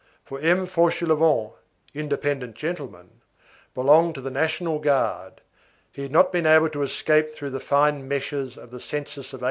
For M. Fauchelevent, independent gentleman, belonged to the national guard; he had not been able to escape through the fine meshes of the census of 1831.